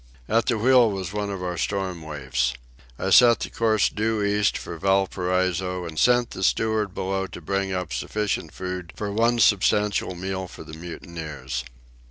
At the wheel was one of our storm waifs. I set the course due east for Valparaiso, and sent the steward below to bring up sufficient food for one substantial meal for the mutineers.